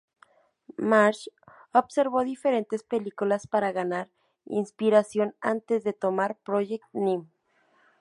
Marsh observó diferentes películas para ganar inspiración antes de tomar Proyecto Nim.